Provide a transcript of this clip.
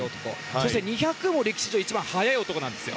そして２００も歴史上一番速い男なんです。